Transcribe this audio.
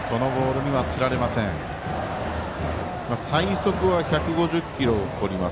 最速は１５０キロを誇ります。